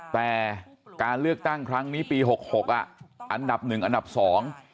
แต่การเลือกตั้งครั้งนี้ปีหกหกอ่ะอันดับหนึ่งอันดับสอง